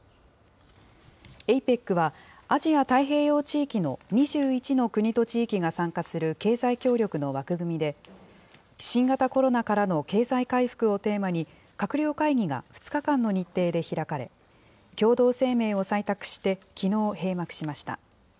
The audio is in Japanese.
ＡＰＥＣは、アジア太平洋地域の２１の国と地域が参加する経済協力の枠組みで、新型コロナからの経済回復をテーマに、閣僚会議が２日間の日程で開かれ、共同声明を採択してきのう閉幕しました。